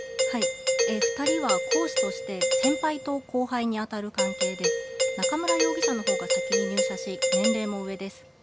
２人は講師として先輩と後輩にあたる関係で中村容疑者のほうが先に入社し年齢も上です。